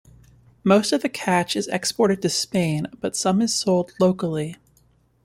Most of the catch is exported to Spain, but some is sold locally.